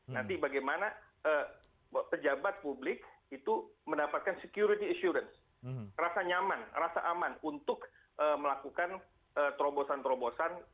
nanti bagaimana pejabat publik itu mendapatkan security assurance rasa nyaman rasa aman untuk melakukan terobosan terobosan